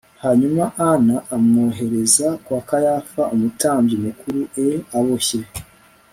Hanyuma Ana amwohereza kwa Kayafa umutambyi mukuru e aboshye